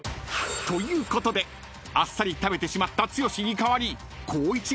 ［ということであっさり食べてしまった剛に代わり光一が試食することに］